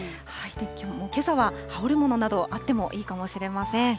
けさは羽織るものなど、あってもいいかもしれません。